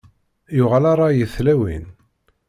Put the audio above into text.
Yuɣal rray i tlawin.